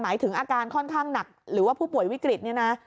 ถึงอาการค่อนข้างหนักหรือว่าผู้ป่วยวิกฤตเนี่ยนะ